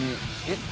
えっ？